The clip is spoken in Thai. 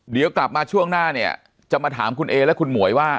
เดี๋ยวกลับมาช่วงหน้าเนี่ยจะมาถามคุณเอและคุณหมวยว่า